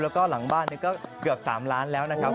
แล้วก็หลังบ้านก็เกือบ๓ล้านแล้วนะครับ